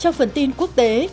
trong phần tin quốc tế